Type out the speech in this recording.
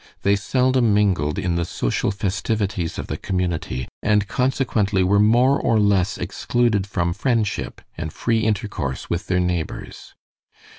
They seldom mingled in the social festivities of the community, and consequently were more or less excluded from friendship and free intercourse with their neighbors.